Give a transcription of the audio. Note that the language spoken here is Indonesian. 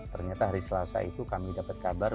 ternyata hari selasa itu kami dapat kabar